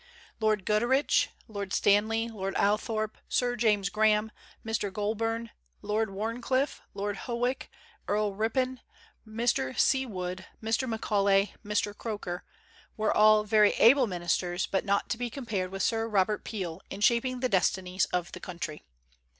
Lord Goderich, Lord Stanley, Lord Althorp, Sir James Graham, Mr. Goulburn, Lord Wharncliffe, Lord Howick, Earl Ripon, Mr. C. Wood, Mr. Macaulay, Mr. Croker, were all very able ministers, but not to be compared with Sir Robert Peel in shaping the destinies of the country.